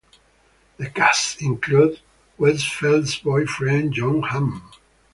The cast included Westfeldt's boyfriend, Jon Hamm.